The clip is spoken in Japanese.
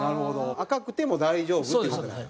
赤くても大丈夫って事なんや。